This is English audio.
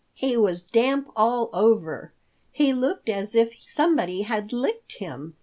"He was damp all over. He looked as if somebody had licked him!"